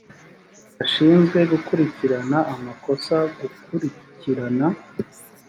gashinzwe gukurikirana amakosa gukurikirana